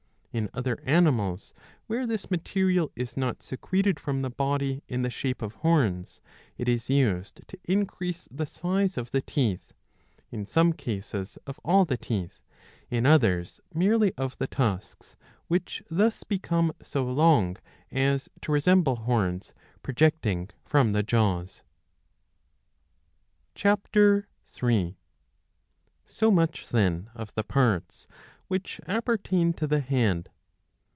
In other animals, where this material is not secreted from the body in the shape of horns, it is used to increase the size of the teeth ; in some cases of all the teeth, in others merely of the tusks, which thus become so long as to resemble horns projecting from the jaws.^^ (Ch. 3.J So much, then, of the parts which appertain to the head.